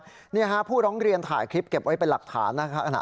พู่เรียนผู้ร้องเรียนถ่ายคลิปเก็บไว้เป็นหลักฐานคณะ